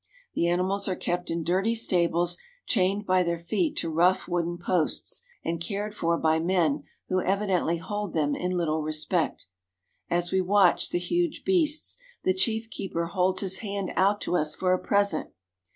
The animals are kept in dirty stables, chained by their feet to rough wooden posts, and cared for by men who evi dently hold them in little respect. As we watch the huge beasts, the chief keeper holds his hand out to us for a present.